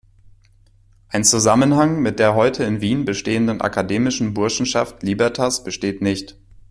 Ein Zusammenhang mit der heute in Wien bestehenden Akademischen Burschenschaft Libertas besteht nicht.